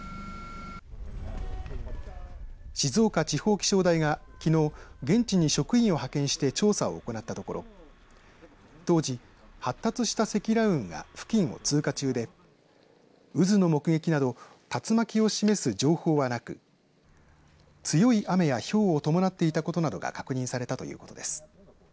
静岡地方気象台がきのう現地に職員を派遣して調査を行ったところ当時、発達した積乱雲が付近を通過中で渦の目撃など竜巻を示す情報はなく強い雨やひょうを伴っていたことなどが確認されたということです。